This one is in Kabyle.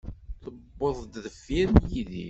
Tewweḍ-d deffir n Yidir.